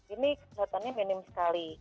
ini kelihatannya minim sekali